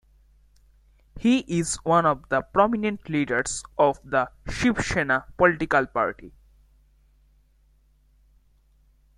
He is one of the prominent leaders of the Shiv Sena political party.